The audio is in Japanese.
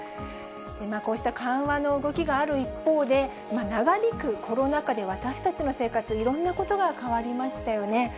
こうした緩和の動きがある一方で、長引くコロナ禍で、私たちの生活、いろんなことが変わりましたよね。